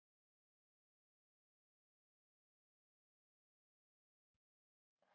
selamat mengalami papa